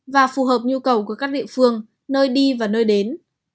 và phù hợp nhu cầu của các địa phương nơi đi và nơi đến